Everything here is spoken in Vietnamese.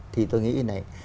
thì tôi nghĩ như thế này